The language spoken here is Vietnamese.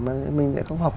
mà mình lại không học